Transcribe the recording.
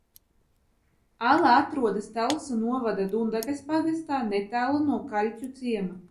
Ala atrodas Talsu novada Dundagas pagastā, netālu no Kaļķu ciema.